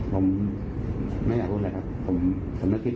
ผมไม่อยากพูดอะไรครับ